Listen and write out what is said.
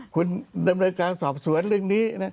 คุณดำเนินการสอบสวนเรื่องนี้นะ